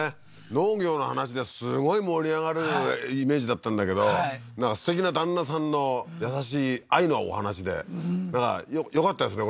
農業の話ですごい盛り上がるイメージだったんだけどなんかすてきな旦那さんの優しい愛のお話でよかったですね